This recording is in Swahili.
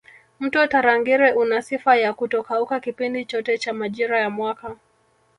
Mto Tarangire una sifa ya kutokauka kipindi chote cha majira ya mwaka